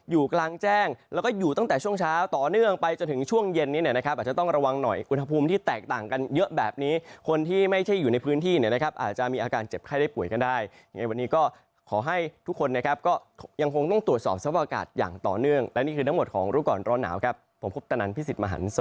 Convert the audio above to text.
อยู่กลางแจ้งแล้วก็อยู่ตั้งแต่ช่วงเช้าต่อเนื่องไปจะถึงช่วงเย็นนี้นะครับจะต้องระวังหน่อยอุณหภูมิที่แตกต่างกันเยอะแบบนี้